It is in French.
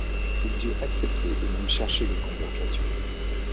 Il dut accepter et même chercher des conversations.